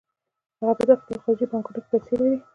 هغه په داخلي او خارجي بانکونو کې پیسې لري